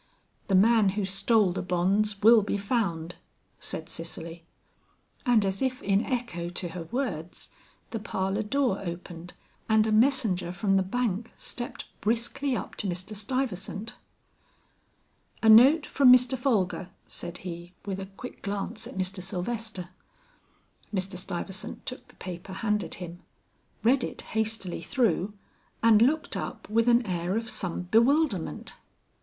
"The man who stole the bonds will be found," said Cicely. And as if in echo to her words the parlor door opened, and a messenger from the bank stepped briskly up to Mr. Stuyvesant. "A note from Mr. Folger," said he, with a quick glance at Mr. Sylvester. Mr. Stuyvesant took the paper handed him, read it hastily through, and looked up with an air of some bewilderment.